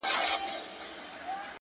هوښیار فکر د راتلونکي لپاره تیاری نیسي.